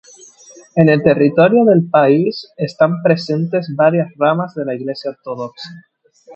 En el territorio del país están presentes varias ramas de la Iglesia ortodoxa.